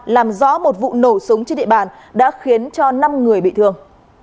làm rõ một vụ nổ súng trên địa bàn đã khiến cho năm người bị thương